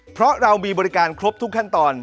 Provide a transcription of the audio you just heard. เพราะเรามีบริการครบทุกขั้นตอน